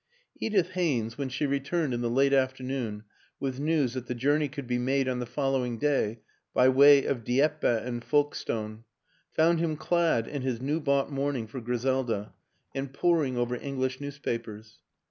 Edith Haynes, when she returned in the late afternoon with news that the journey could be made on the following day by way of Dieppe and Folkestone, found him clad in his new bought mourning for Griselda and poring over English newspapers.